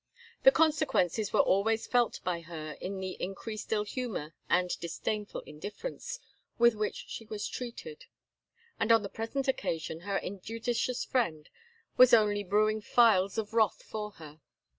The consequences were always felt by her in the increased ill humour and disdainful indifference with which she was treated; and on the present occasion her injudicious friend was only brewing phials of wrath for her.